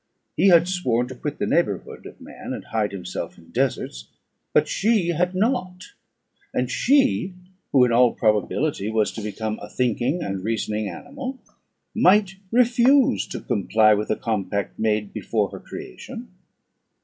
He had sworn to quit the neighbourhood of man, and hide himself in deserts; but she had not; and she, who in all probability was to become a thinking and reasoning animal, might refuse to comply with a compact made before her creation.